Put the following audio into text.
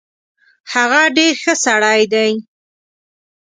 هغه ډیر خه سړی دی